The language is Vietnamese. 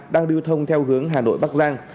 đang lưu thông theo hướng hà nội bắc giang